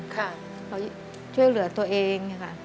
ค่ะเขาช่วยเหลือตัวเองค่ะ